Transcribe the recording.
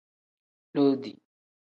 Loodi.